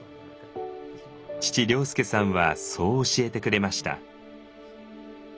父亮祐さんはそう教えてくれました。